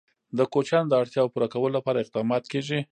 د کوچیانو د اړتیاوو پوره کولو لپاره اقدامات کېږي.